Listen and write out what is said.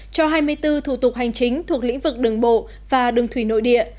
cho hai mươi bốn thủ tục hành chính thuộc lĩnh vực đường bộ và đường thủy nội địa